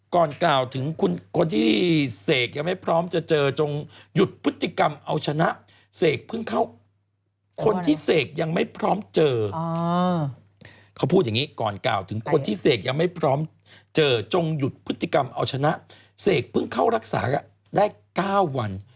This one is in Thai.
ก่อนกล่าวถึงคนที่เสกยังไม่พร้อมจะเจอจงหยุดพฤติกรรมเอาชนะเสกเพิ่งเข้ารักษาได้๙วัน